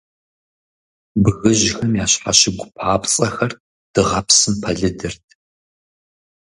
Бгыжьхэм я щхьэщыгу папцӀэхэр дыгъэпсым пэлыдырт.